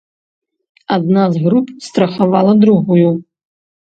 Адна з груп страхавала другую.